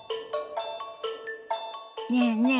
ねえねえ